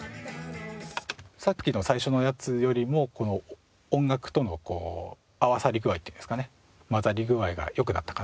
さっきの最初のやつよりもこの音楽との合わさり具合っていうんですかね混ざり具合が良くなったかなと思います。